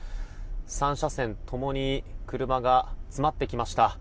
３車線共に車が詰まってきました。